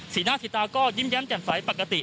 สีหน้าสีตาก็ยิ้มแย้มแจ่มใสปกติ